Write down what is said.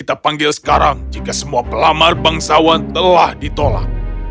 kita panggil sekarang jika semua pelamar bangsawan telah ditolak